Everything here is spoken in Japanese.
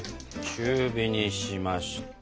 中火にしまして。